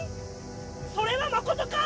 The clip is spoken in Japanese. それはまことか？